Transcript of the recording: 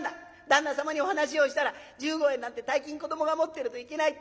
旦那様にお話をしたら１５円なんて大金子どもが持ってるといけない。